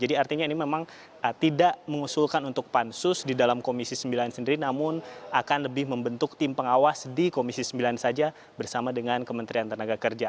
jadi artinya ini memang tidak mengusulkan untuk pansus di dalam komisi sembilan sendiri namun akan lebih membentuk tim pengawas di komisi sembilan saja bersama dengan kementerian tenaga kerja